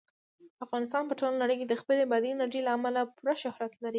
افغانستان په ټوله نړۍ کې د خپلې بادي انرژي له امله پوره شهرت لري.